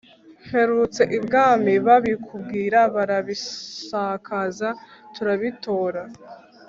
mperutse i bwami babikubwira, barabisakaza turabitora,